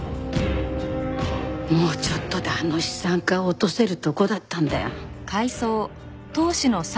もうちょっとであの資産家を落とせるとこだったんだよ。